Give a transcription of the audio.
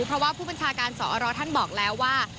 เพราะว่าผู้บัญชาการสอรท่านบอกแล้วว่า